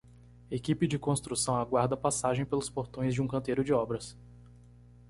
Equipe de construção aguarda passagem pelos portões de um canteiro de obras.